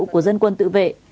của dân quân tự vệ